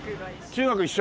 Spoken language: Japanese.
中学一緒？